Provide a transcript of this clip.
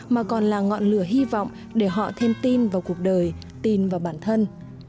mà còn là ngọn lửa hy vọng để họ thêm tin vào cuộc đời tin vào bản thân